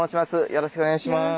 よろしくお願いします。